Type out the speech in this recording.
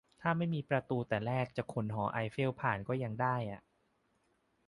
ถ้าไม่มีประตูแต่แรก จะขนหอไอเฟลผ่านก็ยังได้อะ